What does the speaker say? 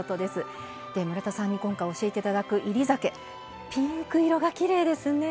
村田さんに今回教えて頂く煎り酒ピンク色がきれいですね。